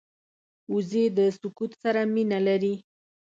وزې د سکوت سره مینه لري